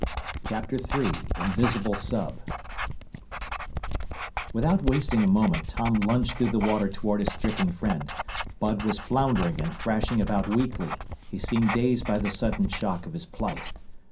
CHAPTER III INVISIBLE SUB Without wasting a moment, Tom lunged through the water toward his stricken friend. Bud was floundering and thrashing about weakly. He seemed dazed by the sudden shock of his plight.